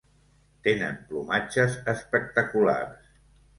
Tenen plomatges espectaculars.